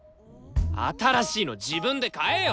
新しいの自分で買えよ！